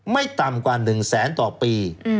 ไม่ต่ำกว่า๑แสนต่อปี